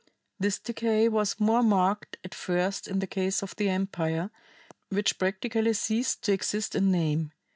This decay was more marked at first in the case of the empire, which practically ceased to exist in name.